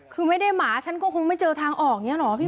คือไม่ได้หมาฉันก็คงไม่เจอทางออกเนี่ยหรอพี่หมุน